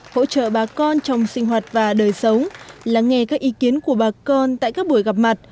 hỗ trợ bà con trong sinh hoạt và đời sống lắng nghe các ý kiến của bà con tại các buổi gặp mặt